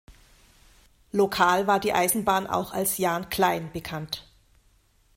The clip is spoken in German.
Lokal war die Eisenbahn auch als „Jan Klein“ bekannt.